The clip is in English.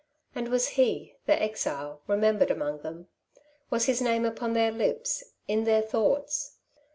and was he, the exile, remembered among them? was his name upon their lips — in their thoughts?